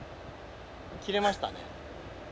切れましたね。